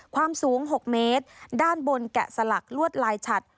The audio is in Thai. ความสูง๖เมตรด้านบนแกะสลักลวดลายฉัด